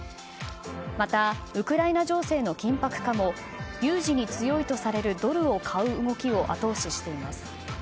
また、ウクライナ情勢の緊迫化も有事に強いとされるドルを買う動きを後押ししています。